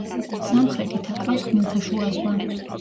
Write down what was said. სამხრეთით აკრავს ხმელთაშუა ზღვა.